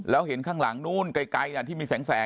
แล้วเห็นข้างหลังนู้นไกลที่มีแสง